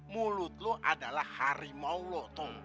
mulut lo adalah harimau lo